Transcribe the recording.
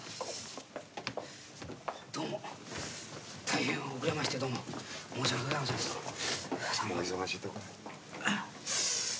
大変遅れましてどうも申し訳ございませんでした。